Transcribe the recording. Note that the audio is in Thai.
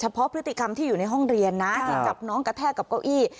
เพราะพฤติกรรมที่อยู่ในห้องเรียนนะที่จับน้องกระแทกกับเก้าอี้